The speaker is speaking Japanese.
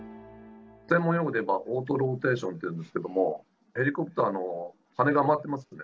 専門用語で言えば、オートローテーションっていうんですけれども、ヘリコプターの羽根が回ってますよね。